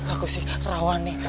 aku sih rawan nih